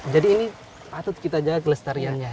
jadi ini patut kita jaga kelestariannya